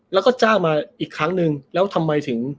แล้วก็จ้างมาอีกครั้งนึงแล้วทำไมถึง